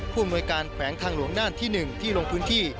อำนวยการแขวงทางหลวงน่านที่๑ที่ลงพื้นที่